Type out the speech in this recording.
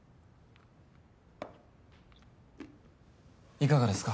いかがですか？